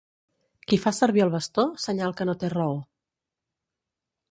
Qui fa servir el bastó, senyal que no té raó.